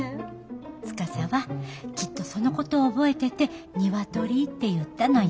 司はきっとそのことを覚えててニワトリって言ったのよ。